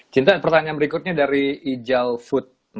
cinta pertanyaan berikutnya dari ijalfood empat